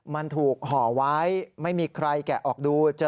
มันถูกห่อไว้ไม่มีใครแกะออกดู